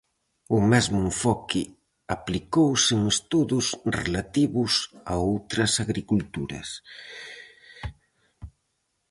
O mesmo enfoque aplicouse en estudos relativos a outras agriculturas.